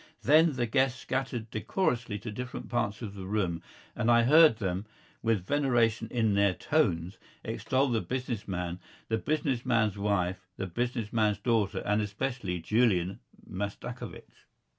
Then the guests scattered decorously to different parts of the room, and I heard them, with veneration in their tones, extol the business man, the business man's wife, the business man's daughter, and, especially, Julian Mastakovich.